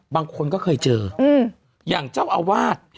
บางคนก็เคยเจออย่างเจ้าอาวาส